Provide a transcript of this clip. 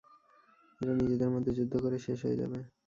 এরা নিজেদের মধ্যে যুদ্ধ করে শেষ হয়ে যাবে।